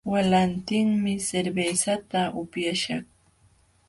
Walantinmi cervezata upyaśhaq